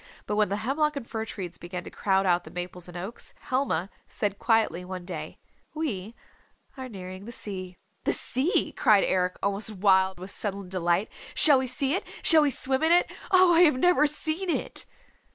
But when the hemlock and fir trees began to crowd out the maples and oaks, Helma said quietly one day, "We are nearing the sea." "The sea," cried Eric almost wild with sudden delight. "Shall we see it? Shall we swim in it? Oh, I have never seen it!"